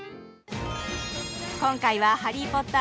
今回は「ハリー・ポッター」